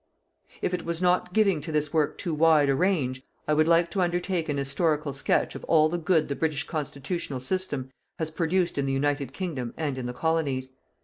If it was not giving to this work too wide a range, I would like to undertake an historical sketch of all the good the British constitutional system has produced in the United Kingdom and in the Colonies.